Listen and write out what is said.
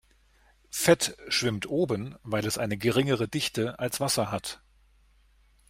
Fett schwimmt oben, weil es eine geringere Dichte als Wasser hat.